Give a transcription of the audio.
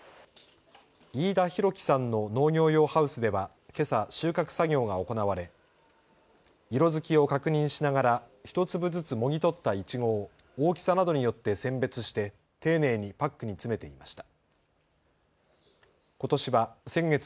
飯田裕樹さんの農業用ハウスではけさ収穫作業が行われ色づきを確認しながら１粒ずつもぎ取ったいちごを大きさなどによって選別して丁寧にパックに詰めていました。